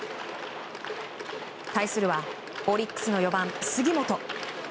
対するはオリックスの４番杉本。